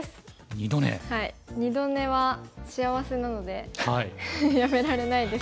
二度寝は幸せなのでやめられないですね。